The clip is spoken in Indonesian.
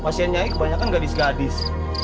pasien nyai kebanyakan gadis gadis